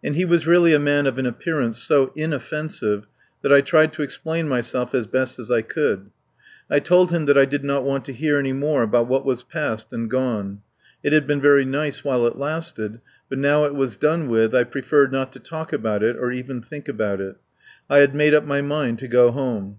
And he was really a man of an appearance so inoffensive that I tried to explain myself as much as I could. I told him that I did not want to hear any more about what was past and gone. It had been very nice while it lasted, but now it was done with I preferred not to talk about it or even think about it. I had made up my mind to go home.